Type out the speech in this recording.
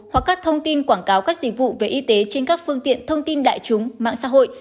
hoặc các thông tin quảng cáo các dịch vụ về y tế trên các phương tiện thông tin đại chúng mạng xã hội